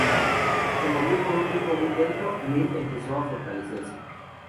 Se movió con un ritmo muy lento, Nate empezó a fortalecerse.